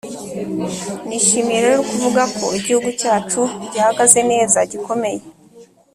Nishimiye rero kuvuga ko Igihugu cyacu gihagaze neza gikomeye